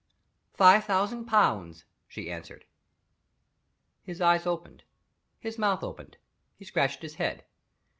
"Five thousand pounds," she answered. His eyes opened; his mouth opened; he scratched his head.